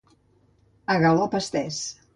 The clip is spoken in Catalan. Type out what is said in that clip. A galop estès.